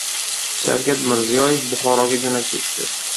Shavkat Mirziyoyev Buxoroga jo‘nab ketdi